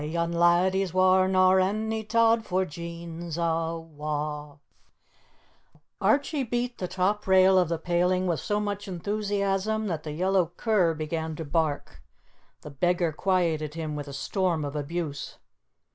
Aye, yon laddie's waur nor ony tod, for Jean's awa'!" Archie beat the top rail of the paling with so much enthusiasm that the yellow cur began to bark. The beggar quieted him with a storm of abuse.